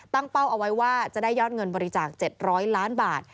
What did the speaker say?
เป้าเอาไว้ว่าจะได้ยอดเงินบริจาค๗๐๐ล้านบาท